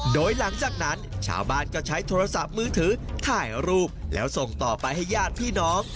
โดยหลังจากนั้นชาวบ้านก็ใช้โทรศัพท์มือถือถ่ายรูปแล้วส่งต่อไปให้ญาติพี่น้อง